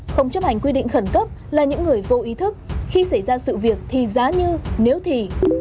không chấp hành quy định khẩn cấp là những người vô ý thức khi xảy ra sự việc thì giá như nếu thì